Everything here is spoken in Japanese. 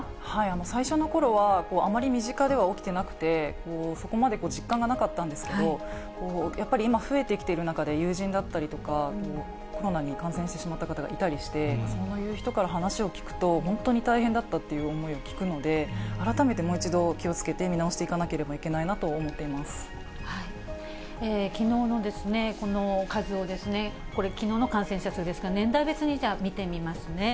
最初のころは、あまり身近では起きてなくて、そこまで実感がなかったんですけど、やっぱり今、増えてきている中で、友人だったりとか、コロナに感染してしまった方がいたりして、そういう人から話を聞くと、本当に大変だったっていう思いを聞くので、改めてもう一度、気をつけて見直していかなければいけないなと思きのうのこの数を、これ、きのうの感染者数ですが、年代別に、じゃあ、見てみますね。